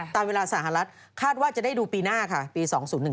ตามเวลาสหรัฐคาดว่าจะได้ดูปีหน้าค่ะปี๒๐๑๒